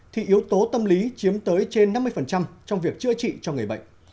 thì yếu tố tâm lý chiếm tới trên năm mươi trong việc chữa trị cho người bệnh